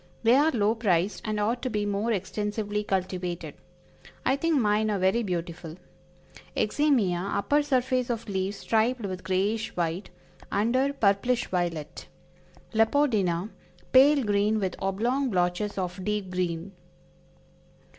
They are low priced, and ought to be more extensively cultivated. I think mine are very beautiful. Eximia, upper surface of leaves striped with grayish white; under, purplish violet. Leopordina, pale green with oblong blotches of deep green.